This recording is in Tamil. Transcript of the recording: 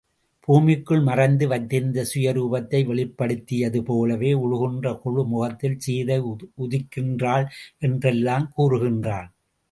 பூமிக்குள் மறைத்து வைத்திருந்த சுய ரூபத்தை வெளிப்படுத்தியது போலவே உழுகின்ற கொழு முகத்தில் சீதை உதிக்கின்றாள் என்றெல்லாம் கூறுகின்றான்.